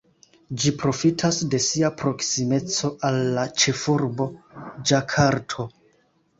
Ĝi profitas de sia proksimeco al la ĉefurbo, Ĝakarto.